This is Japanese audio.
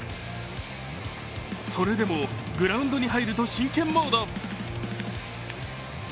それでもグラウンドに入ると、真剣モード。